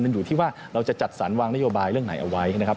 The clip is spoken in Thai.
มันอยู่ที่ว่าเราจะจัดสรรวางนโยบายเรื่องไหนเอาไว้นะครับ